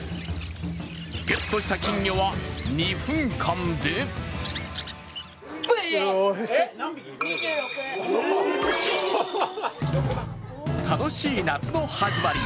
ゲットした金魚は２分間で楽しい夏の始まり。